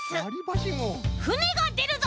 ふねがでるぞ！